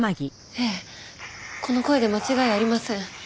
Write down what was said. ええこの声で間違いありません。